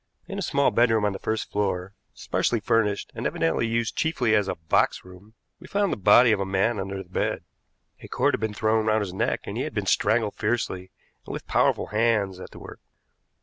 In a small bedroom on the first floor, sparsely furnished and evidently used chiefly as a box room, we found the body of a man under the bed. A cord had been thrown round his neck and he had been strangled fiercely and with powerful hands at the work.